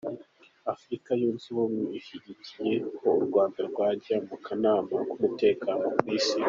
Afurika Yunze Ubumwe ishyigikiye ko u Rwanda rwajya mu kanama k’umutekano ku Isi